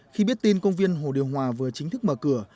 khi biết tin công viên hồ điều hòa vừa chính thức mở cửa